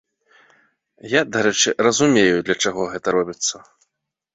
Я, дарэчы, разумею, для чаго гэта робіцца.